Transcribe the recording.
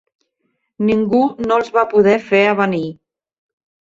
Ningú no els va poder fer avenir.